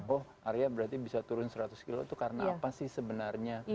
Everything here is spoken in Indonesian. oh arya berarti bisa turun seratus kilo itu karena apa sih sebenarnya